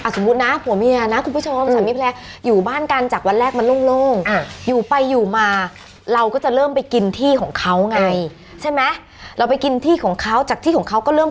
สมมุตินะผัวเมียนะคุณผู้ชมสามีแพร่